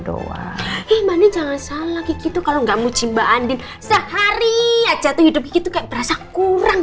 doang jangan salah gitu kalau nggak mucin mbak andin sehari aja tuh hidup itu kayak berasa kurang